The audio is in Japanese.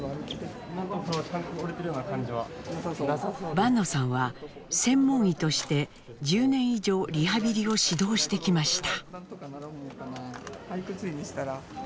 坂野さんは専門医として１０年以上リハビリを指導してきました。